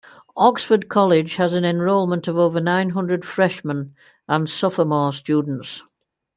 Oxford College has an enrollment of over nine hundred freshman and sophomore students.